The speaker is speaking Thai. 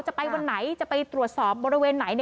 จะไปวันไหนจะไปตรวจสอบบริเวณไหน